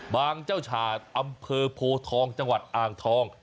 เจ้าฉาดอำเภอโพทองจังหวัดอ่างทอง